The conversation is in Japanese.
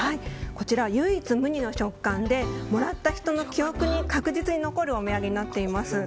こちら唯一無二の食感でもらった人の記憶に確実に残るお土産になっています。